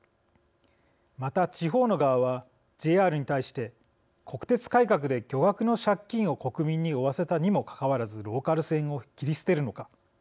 また、地方の側はＪＲに対して「国鉄改革で巨額の借金を国民に負わせたにもかかわらずローカル線を切り捨てるのか」